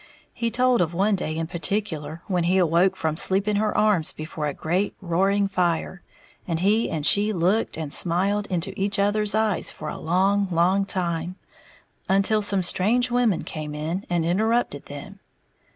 He told of one day in particular when he awoke from sleep in her arms before a great, roaring fire, and he and she looked and smiled into each other's eyes for a long, long time, until some strange women came in and interrupted them.